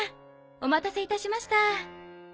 お待たせいたしました。